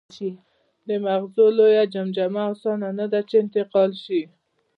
د مغزو لویه جمجمه اسانه نهده، چې انتقال شي.